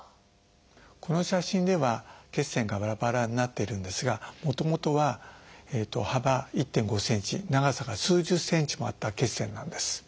この写真では血栓がバラバラになってるんですがもともとは幅１．５センチ長さが数十センチもあった血栓なんです。